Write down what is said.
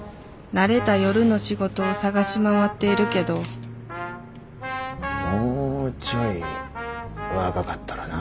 慣れた夜の仕事を探し回っているけどもうちょい若かったらな。